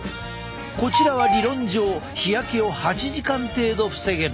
こちらは理論上日焼けを８時間程度防げる。